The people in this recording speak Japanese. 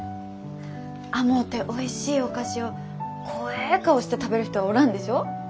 甘うておいしいお菓子を怖え顔して食べる人はおらんでしょう。